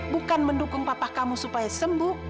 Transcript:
bukan mendukung papah kamu supaya sembuh